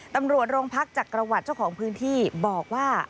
ตำรวจโรงพักจักรวรรดิเจ้าของพื้นที่บอกว่า